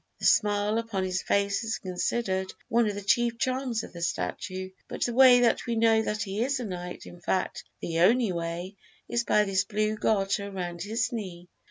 "The smile upon his face is considered one of the chief charms of the statue; but the way that we know that he is a knight in fact, the only way is by this blue garter around his knee."